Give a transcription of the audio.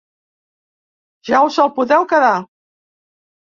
Ja us els podeu quedar.